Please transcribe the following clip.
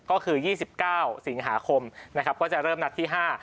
ก็คือยี่สิบเก้าสิงหาคมนะครับก็จะเริ่มนัดที่ห้า